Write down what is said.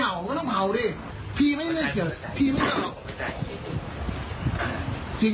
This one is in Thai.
โหน้องมันจะดอนเยอะแวะ